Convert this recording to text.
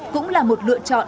cũng là một lựa chọn